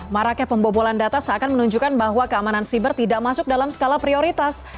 maraknya pembobolan data seakan menunjukkan bahwa keamanan siber tidak masuk dalam skala prioritas